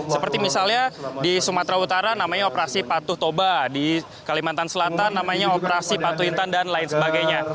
seperti misalnya di sumatera utara namanya operasi patuh toba di kalimantan selatan namanya operasi patu intan dan lain sebagainya